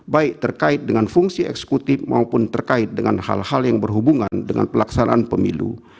baik terkait dengan fungsi eksekutif maupun terkait dengan hal hal yang berhubungan dengan pelaksanaan pemilu